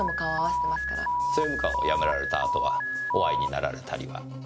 政務官を辞められた後はお会いになられたりは？